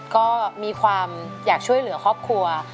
ก็มีความอยากช่วยเหลือครอบครัว